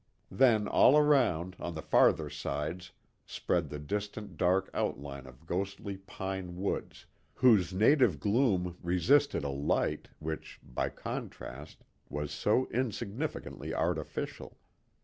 Then all around, on the farther sides, spread the distant dark outline of ghostly pine woods, whose native gloom resisted a light, which, by contrast, was so insignificantly artificial.